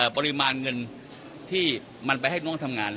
ปริมาณเงินที่มันไปให้น้องทำงาน